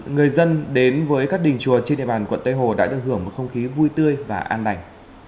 người dân đến với các đình chùa trên địa bàn quận tây hồ đã được hưởng một không khí vui tươi và an đành